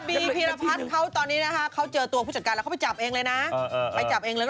พี่ระพัดเขาเจอตัวผู้จัดการแล้วเขาไปจับเองเลยนะ